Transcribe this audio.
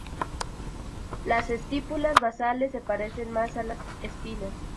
Las estípulas basales se parecen más a las espinas.